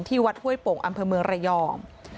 วัดห้วยโป่งอำเภอเมืองระยอง